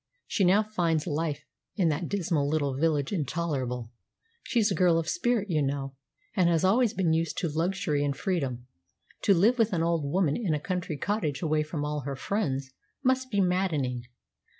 She now finds life in that dismal little village intolerable. She's a girl of spirit, you know, and has always been used to luxury and freedom. To live with an old woman in a country cottage away from all her friends must be maddening.